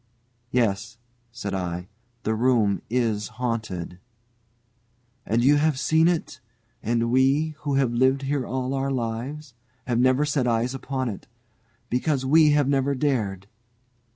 "Yes," said I; "the room is haunted." "And you have seen it. And we, who have lived here all our lives, have never set eyes upon it. Because we have never dared...